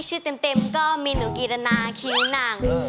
ชื่อเต็มก็มีหนูกีตนาคิ้วหนัง